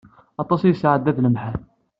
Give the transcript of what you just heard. Aṭas i yesɛedda d lemḥan.